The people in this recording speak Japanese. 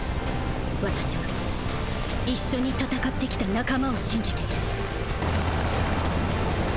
私は一緒に戦ってきた仲間を信じている。